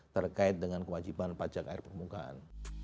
terkait dengan kewajiban pajak air permukaan